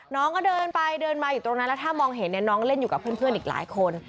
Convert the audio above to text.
น้องก็เดินไปเดินมาอยู่ตรงนั้นแล้วถ้ามองเห็นเนี่ยน้องเล่นอยู่กับเพื่อนอีกหลายคน